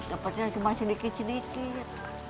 dapatnya cuma sedikit sedikit